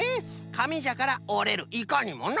かみじゃからおれるいかにもな。